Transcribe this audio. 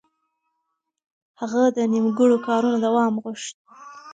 هغه د نيمګړو کارونو دوام غوښت.